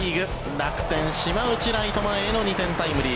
楽天、島内ライト前への２点タイムリー。